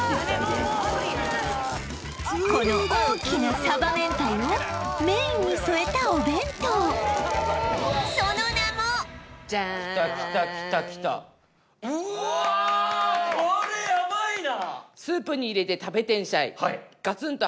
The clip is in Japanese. この大きなサバ明太をメインに添えたお弁当ジャーンきたきたきたきたいやいいね！